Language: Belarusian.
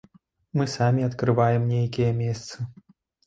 Мы самі адкрываем нейкія месцы.